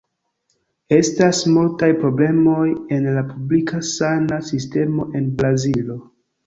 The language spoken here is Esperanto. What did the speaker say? Estas multaj problemoj en la publika sana sistemo en Brazilo.